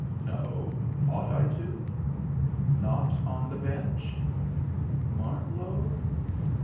"No. Ought I to?" "Not on the bench?" "Martlow?